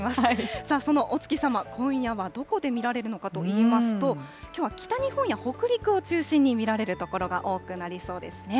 さあそのお月様、今夜はどこで見られるのかといいますと、きょうは北日本や北陸を中心に見られる所が多くなりそうですね。